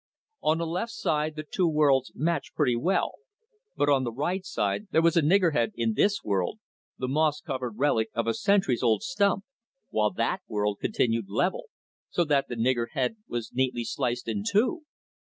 On the left side the two worlds matched pretty well, but on the right side there was a niggerhead in this world, the moss covered relic of a centuries old stump, while that world continued level, so that the niggerhead was neatly sliced in two.